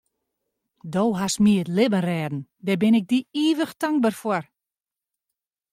Do hast my it libben rêden, dêr bin ik dy ivich tankber foar.